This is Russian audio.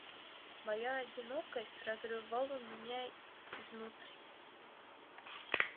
Моя одинокость разрывала меня изнутри.